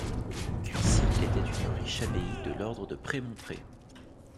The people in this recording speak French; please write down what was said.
Cuissy était une riche abbaye de l'ordre de Prémontré.